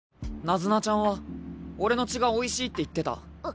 ナズナちゃんは俺の血がおいしいって言ってた。